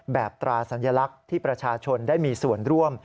ตราสัญลักษณ์ที่ประชาชนได้มีส่วนร่วม